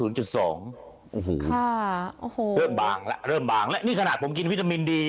โอ้โหเริ่มบางแล้วเริ่มบางแล้วนี่ขนาดผมกินวิตามินดี